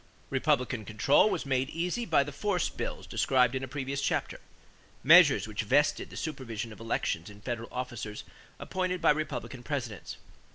Republican control was made easy by the force bills described in a previous chapter measures which vested the supervision of elections in federal officers appointed by Republican Presidents.